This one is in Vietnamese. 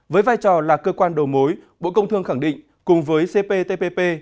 với vai trò là cơ quan đầu mối bộ công thương khẳng định cùng với cptpp